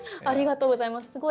ありがとうございます。